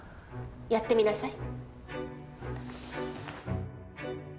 やってみなさい。